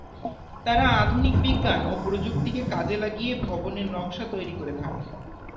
তারা আধুনিক বিজ্ঞান ও প্রযুক্তিকে কাজে লাগিয়ে ভবনের নকশা তৈরি করে থাকেন।